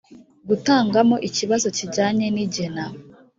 gutangamo ikibazo kijyanye n igena